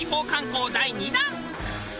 第２弾。